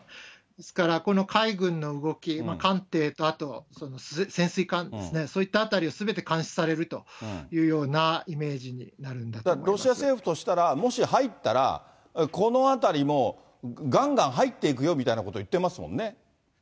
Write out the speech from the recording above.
ですから、この海軍の動き、艦艇と潜水艦ですね、そういったあたりをすべて監視されるというようなイメージになるロシア政府としたら、もし入ったら、この辺りもがんがん入っていくよみたいなこと言ってますもんね。